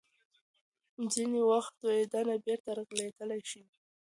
ځینې وخت تویېدنه بیرته رغېدلی شي.